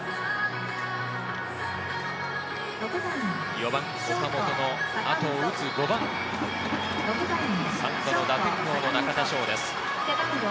４番・岡本の後を打つ５番、３度の打点王の中田です。